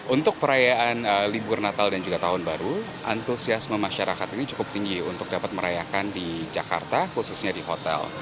untuk perayaan libur natal dan juga tahun baru antusiasme masyarakat ini cukup tinggi untuk dapat merayakan di jakarta khususnya di hotel